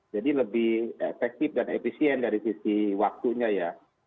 jadi lebih efektif dan efisien dari sisi waktunya ya